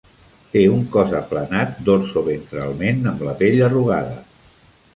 Té un cos aplanat dorsoventralment amb la pell arrugada.